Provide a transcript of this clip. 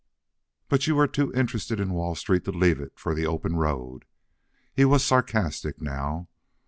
"But you are too interested in Wall Street to leave it for the open road?" He was sarcastic now.